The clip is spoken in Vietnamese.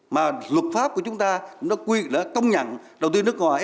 mà luật pháp của chúng ta cũng đã công nhận đầu tư nước ngoài